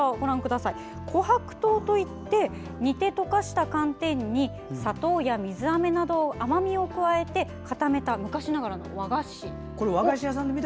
こはく糖といって煮て溶かした寒天に砂糖や水あめなど甘みを加えて固めた昔ながらの和菓子。